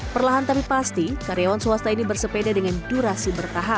perlahan tapi pasti karyawan swasta ini bersepeda dengan durasi bertahan